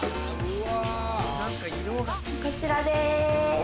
こちらです。